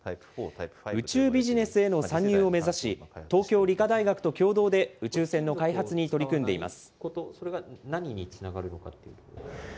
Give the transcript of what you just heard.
宇宙ビジネスへの参入を目指し、東京理科大学と共同で宇宙船の開発に取り組んでいます。